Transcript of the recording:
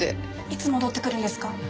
いつ戻ってくるんですか？